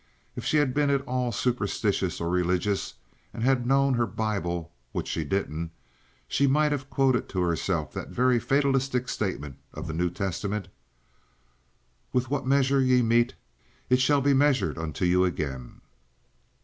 If she had been at all superstitious or religious, and had known her Bible, which she didn't, she might have quoted to herself that very fatalistic statement of the New Testament, "With what measure ye mete it shall be measured unto you again."